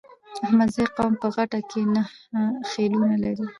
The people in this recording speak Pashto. احمدزی قوم په غټه کې نهه خيلونه لري.